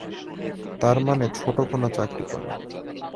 তার মানে ছোট কোনো চাকরি করে।